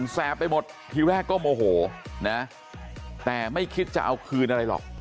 แสบไปหมดทีแรกก็โมโหนะแต่ไม่คิดจะเอาคืนอะไรหรอก